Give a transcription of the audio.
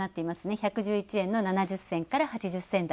１１１円の７９銭から８０銭台。